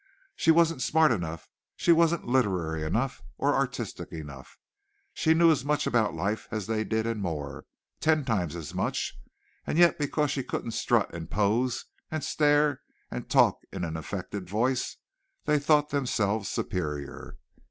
She wasn't smart enough! She wasn't literary enough or artistic enough. She knew as much about life as they did and more ten times as much; and yet because she couldn't strut and pose and stare and talk in an affected voice they thought themselves superior.